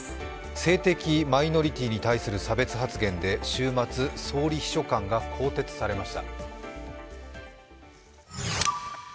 性的マイノリティーに対する差別発言で週末、総理秘書官が更迭されました